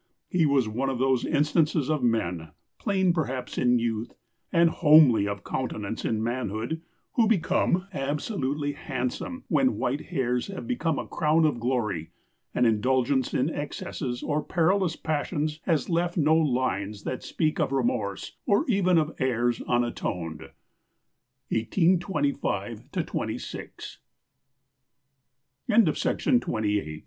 He was one of those instances of men, plain perhaps in youth, and homely of countenance in manhood, who become absolutely handsome when white hairs have become a crown of glory, and indulgence in excesses or perilous passions has left no lines that speak of remorse, or even of errors unatoned." 1825 26. DANIEL DE FOE 1661 1731 [Sidenote: Secr